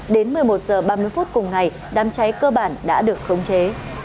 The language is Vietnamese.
đến một mươi một h ba mươi phút cùng ngày đám cháy cơ bản đã được khống chế